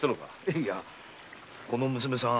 いえこの娘さん